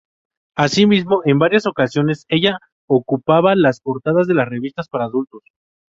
Asimismo, en varias ocasiones ella ha ocupa las portadas de las revistas para adultos.